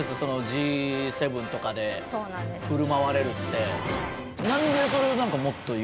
Ｇ７とかで振る舞われるって。